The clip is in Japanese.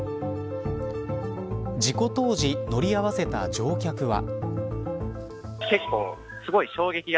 事故当時、乗り合わせた乗客は。